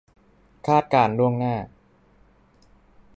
คาดการณ์ล่วงหน้า